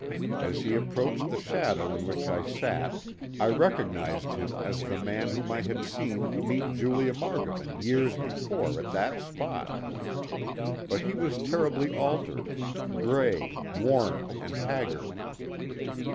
As he approached the shadow in which I sat I recognized him as the man whom I had seen meet Julia Margovan years before at that spot. But he was terribly altered—gray, worn and haggard.